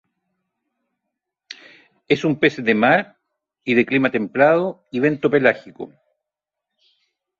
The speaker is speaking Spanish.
Es un pez de mar y, de clima templado y bentopelágico.